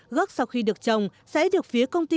gốc sau khi được trồng sẽ được phía công ty